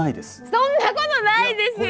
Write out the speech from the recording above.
そんなことないですよ。